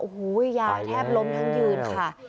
โอ้โหยายแทบล้มทั้งยืนค่ะ